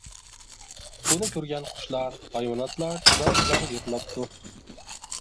بۇنى كۆرگەن قۇشلار، ھايۋانلار زار-زار يىغلاپتۇ.